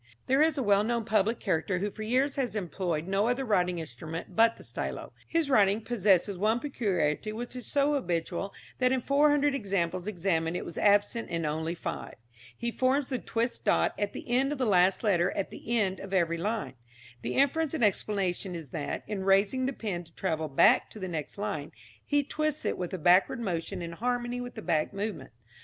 There is a well known public character who for years has employed no other writing instrument but the stylo. His writing possesses one peculiarity which is so habitual that in four hundred examples examined it was absent in only five. He forms this twist dot at the end of the last letter at the end of every line. The inference and explanation is that, in raising the pen to travel back to the next line, he twists it with a backward motion in harmony with the back movement.